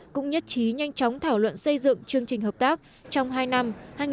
cũng nhất trí nhanh chóng thảo luận xây dựng chương trình hợp tác trong hai năm hai nghìn một mươi hai nghìn hai mươi